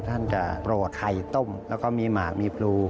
ท่านจะโรไข่ต้มแล้วก็มีหมากมีพลู